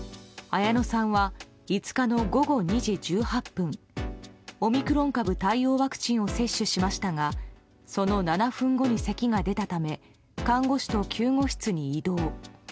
綾乃さんは５日の午後２時１８分オミクロン株対応ワクチンを接種しましたがその７分後にせきが出たため看護師と救護室に移動。